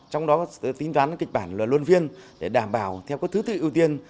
trong đó tính toán kịch bản luân phiên để đảm bảo theo thứ tự ưu tiên